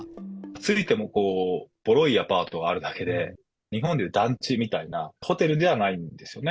着いてもぼろいアパートがあるだけで、日本でいう団地みたいな、ホテルではないんですよね。